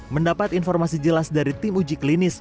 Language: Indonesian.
mendapat informasi jelas dari tim uji klinis